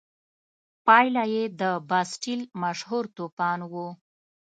پایله یې د باسټیل مشهور توپان و.